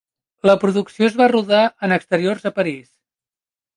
La producció es va rodar en exteriors a París.